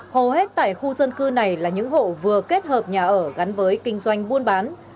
hầu hết tại khu dân cư này là những hộ vừa kết hợp nhà ở gắn với kinh doanh buôn bán